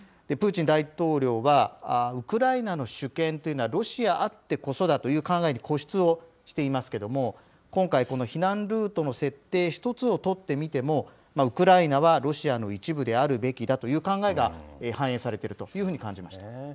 プーチン大統領は、ウクライナの主権というのは、ロシアあってこそだという考えに固執をしていますけども、今回、この避難ルートの設定一つを取ってみても、ウクライナはロシアの一部であるべきだという考えが反映されているというふうに感じました。